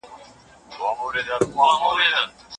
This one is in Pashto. پابندۍ دي لګېدلي د ګودر پر دیدنونو